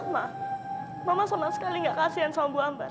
ma mama sama sekali tidak kasian sama bu ambar